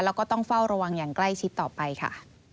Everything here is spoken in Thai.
แล้วก็ต้องเฝ้าระวังอย่างใกล้ชิดต่อไปค่ะ